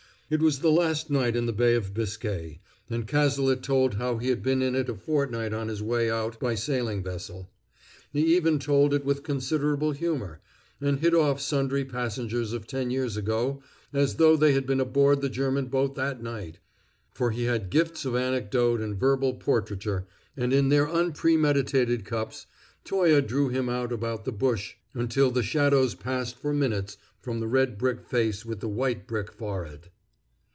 It was the last night in the Bay of Biscay, and Cazalet told how he had been in it a fortnight on his way out by sailing vessel. He even told it with considerable humor, and hit off sundry passengers of ten years ago as though they had been aboard the German boat that night; for he had gifts of anecdote and verbal portraiture, and in their unpremeditated cups Toye drew him out about the bush until the shadows passed for minutes from the red brick face with the white brick forehead.